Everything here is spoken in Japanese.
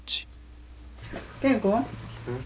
うん？